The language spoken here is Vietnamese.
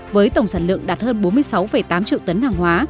với tổng sản lượng đạt hơn bốn mươi sáu tám triệu tấn hàng hóa